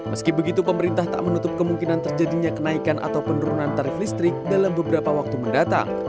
meski begitu pemerintah tak menutup kemungkinan terjadinya kenaikan atau penurunan tarif listrik dalam beberapa waktu mendatang